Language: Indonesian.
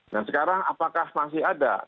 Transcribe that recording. nah sekarang apakah masih ada